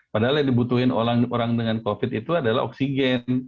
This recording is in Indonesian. padahal yang dibutuhin orang dengan covid itu adalah oksigen